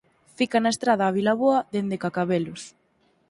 Fica na estrada a Vilaboa dende Cacabelos.